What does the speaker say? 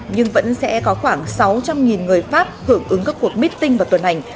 nhưng vẫn sẽ có khoảng sáu trăm linh người pháp hưởng ứng các cuộc meeting vào tuần hành